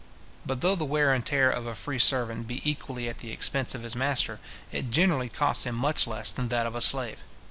But though the wear and tear of a free servant be equally at the expense of his master, it generally costs him much less than that of a slave.